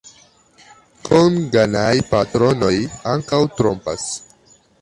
Konganaj patronoj ankaŭ trompas.